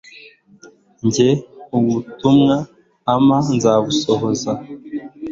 rye, ubutumwa ampa nzabusohoza